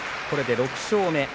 これで６勝目。